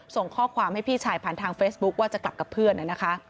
ส่งข้อความให้พี่ชายผ่านทางเฟซบุ๊คว่าจะกลับกับเพื่อนนะคะ